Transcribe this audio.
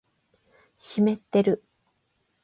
湿ってる